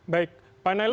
baik pak nelus